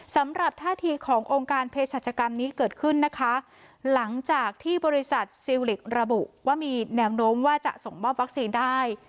สำหรับท่าทีขององค์การเพศรัชกรรมนี้เกิดขึ้นนะคะหลังจากที่บริษัทซิลลิกระบุว่ามีแนวโน้มว่าจะส่งมอบวัคซีนได้